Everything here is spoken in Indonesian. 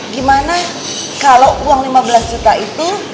gimana kalau uang lima belas juta itu